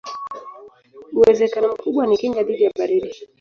Uwezekano mkubwa ni kinga dhidi ya baridi.